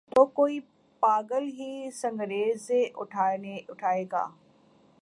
تو کوئی پاگل ہی سنگریزے اٹھائے گا۔